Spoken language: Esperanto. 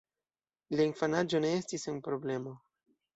Lia infanaĝo ne estis sen problemo.